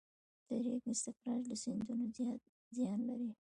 د ریګ استخراج له سیندونو زیان لري؟